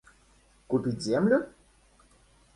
Купить землю?